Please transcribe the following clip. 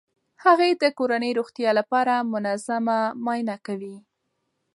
هغې د کورنۍ د روغتیا لپاره منظمه معاینه کوي.